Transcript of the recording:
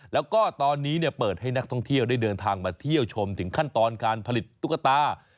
แล้วก็ตอนนี้เปิดให้นักท่องเที่ยวได้เดินทางมาเที่ยวชมถึงขั้นตอนการผลิตตุ๊กตา